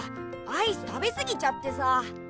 アイス食べ過ぎちゃってさ。